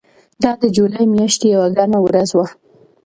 دا د جولای میاشتې یوه ګرمه ورځ وه.